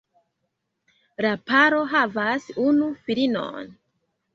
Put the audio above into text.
La paro havas unu filinon.